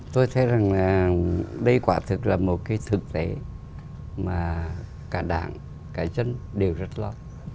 tôi thấy rằng đây quả thực là một cái thực tế mà cả đảng cả dân đều rất lo